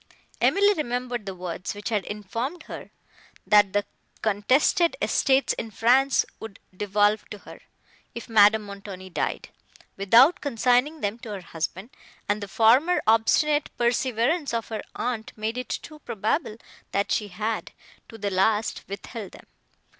Emily remembered the words, which had informed her, that the contested estates in France would devolve to her, if Madame Montoni died, without consigning them to her husband, and the former obstinate perseverance of her aunt made it too probable, that she had, to the last, withheld them.